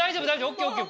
ＯＫＯＫ。